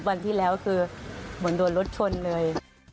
วันที่แล้วคือเหมือนโดนรถชนเลย